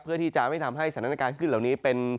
เพื่อที่จะไม่ทำให้สถานการณ์ขึ้นเหล่านี้เป็น